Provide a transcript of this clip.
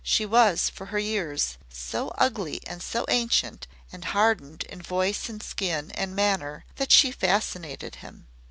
She was, for her years, so ugly and so ancient, and hardened in voice and skin and manner that she fascinated him.